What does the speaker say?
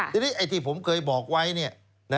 ทีนี้ไอ้ที่ผมเคยบอกไว้